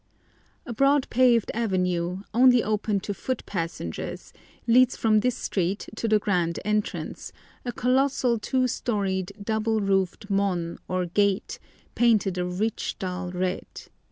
A broad paved avenue, only open to foot passengers, leads from this street to the grand entrance, a colossal two storied double roofed mon, or gate, painted a rich dull red.